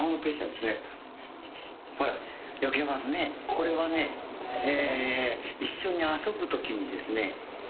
これはね一緒に遊ぶときにですね